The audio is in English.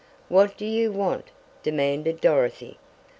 "What do you want?" demanded Dorothy.